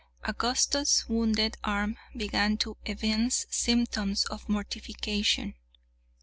Augustus's wounded arm began to evince symptoms of mortification.